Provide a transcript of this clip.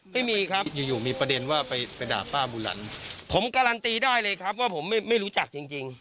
ไม่มีครับอยู่อยู่มีประเด็นว่าไปไปด่าป้าบุหลันผมการันตีได้เลยครับว่าผมไม่รู้จักจริงจริง